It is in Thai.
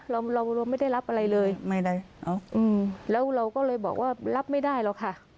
เราเราไม่ได้รับอะไรเลยไม่ได้แล้วเราก็เลยบอกว่ารับไม่ได้หรอกค่ะ